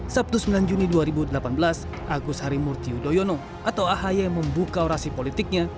sabtu sembilan juni dua ribu delapan belas agus harimurti yudhoyono atau ahy membuka orasi politiknya